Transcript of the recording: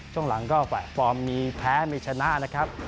ช่วงหลังก็แฝดฟอร์มมีแพ้มีชนะนะครับ